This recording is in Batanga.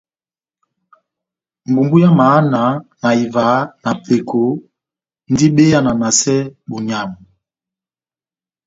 Mbumbu ya mahana na ivaha na peko ndi be yananasɛ bonyamu.